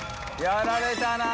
やられたな。